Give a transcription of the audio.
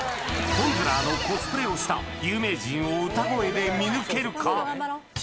トンズラーのコスプレをした有名人を歌声で見抜けるか？